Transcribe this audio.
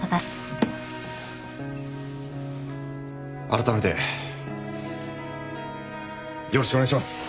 あらためてよろしくお願いします。